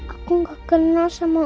aku gak kenal sama om ini